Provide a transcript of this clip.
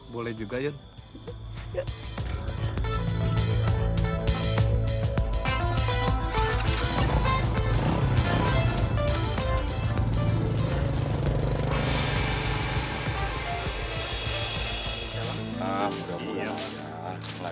boleh juga yuyun